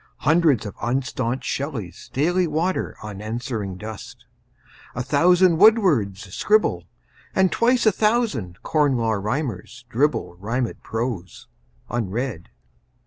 Hundreds of unstaunched Shelleys daily water Unanswering dust; a thousand Wordsworths scribble; And twice a thousand Corn Law Rhymers dribble Rhymed prose, unread.